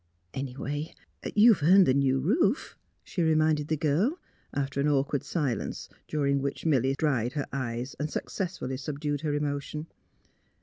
'' Anyway, you have earned the new roof, '' she reminded the girl, after an awkward silence dur ing which Milly dried her eyes and successfully subdued her emotion.